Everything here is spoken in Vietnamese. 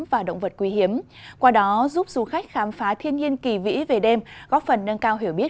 và động vật quý hiếm qua đó giúp du khách khám phá thiên nhiên kỳ vĩ về đêm góp phần nâng cao hiểu biết